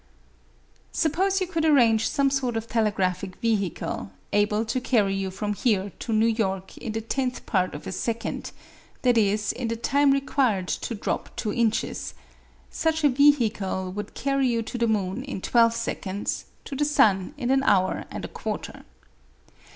Suppose you could arrange some sort of telegraphic vehicle able to carry you from here to New York in the tenth part of a second i.e. in the time required to drop two inches such a vehicle would carry you to the moon in twelve seconds, to the sun in an hour and a quarter.